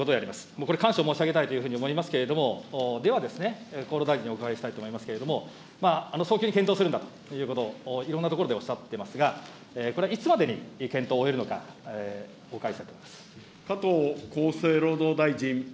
これ、感謝を申し上げたいというふうに思いますけれども、では、厚労大臣にお伺いしたいと思いますけれども、早急に検討するんだということを、いろんなところでおっしゃってますが、これはいつまでに検討を終えるのか、お伺いしたいと思います。